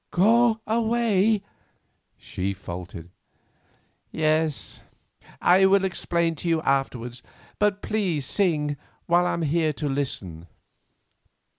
"Go away!" she faltered. "Yes; I will explain to you afterwards. But please sing while I am here to listen."